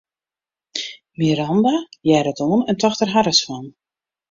Miranda hearde it oan en tocht der harres fan.